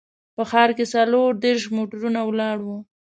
په ښار کې څلور دیرش موټرونه ولاړ وو.